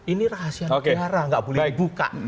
ini rahasia nuk tiara nggak boleh dibuka